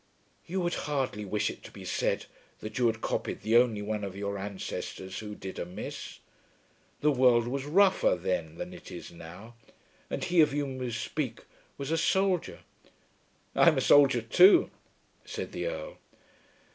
"You would hardly wish it to be said that you had copied the only one of your ancestors who did amiss. The world was rougher then than it is now, and he of whom you speak was a soldier." "I'm a soldier too," said the Earl.